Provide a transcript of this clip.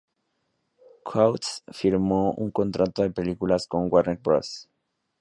Coates firmó un contrato de películas con Warner Bros.